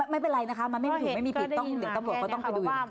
ไม่เป็นไรนะคะมันไม่มีผิดไม่มีผิดเดี๋ยวต้องก็ต้องไปดู